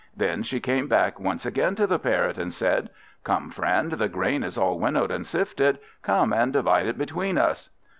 Then she came back once again to the Parrot, and said "Come, friend, the grain is all winnowed and sifted; come and divide it between us."